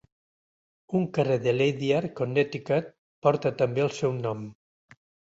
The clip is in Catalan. Un carrer de Ledyard, Connecticut, porta també el seu nom.